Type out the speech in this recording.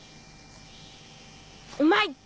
うまい！